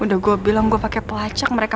udah gue bilang gue pakai pelacak mereka